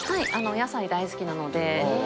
お野菜大好きなので。